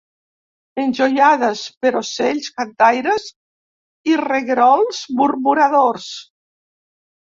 Enjoiades per ocells cantaires i reguerols murmuradors.